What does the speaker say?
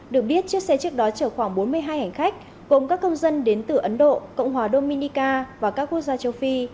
được biết chiếc xe trước đó chở khoảng bốn mươi hai hành khách gồm các công dân đến từ ấn độ cộng hòa dominica và các quốc gia châu phi